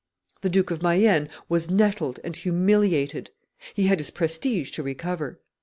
The Duke of Mayenne was nettled and humiliated; he had his prestige to recover.